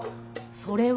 それは。